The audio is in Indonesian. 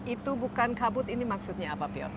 itu bukan kabut ini maksudnya apa pion